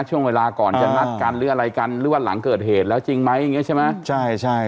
ช่วงเวลาก่อนจะนัดกันหรือว่าหลังเกิดเหตุแล้วจริงไหมใช่ไหม